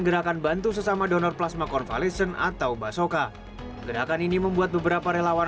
gerakan bantu sesama donor plasma convalescent atau basoka gerakan ini membuat beberapa relawan